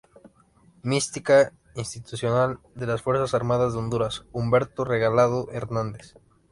Mística institucional de las Fuerzas Armadas de Honduras Humberto Regalado Hernández.